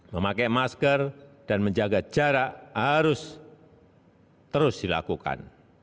memakai masker dan menjaga jarak harus terus dilakukan